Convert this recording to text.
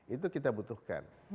itu kita butuhkan